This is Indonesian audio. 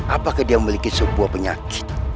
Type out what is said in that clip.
apakah dia memiliki sebuah penyakit